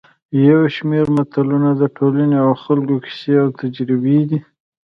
یو شمېر متلونه د ټولنې او خلکو کیسې او تجربې دي